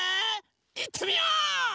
いってみよう！